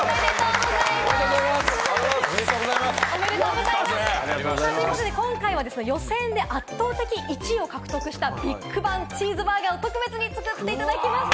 おめでとうございます！ということで今回は予選で圧倒的１位を獲得したビッグバンチーズバーガーを特別に作っていただきました。